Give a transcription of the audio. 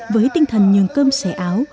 với tinh thần nhường cơm xẻ áo